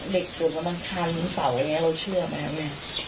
เด็กส่วนอังคารสาวอย่างนี้เราเชื่อไหมครับแม่